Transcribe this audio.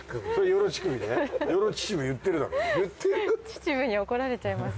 秩父に怒られちゃいます。